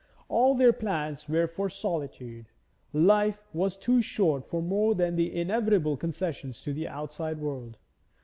All their plans were for solitude; life was too short for more than the inevitable concessions to the outside world.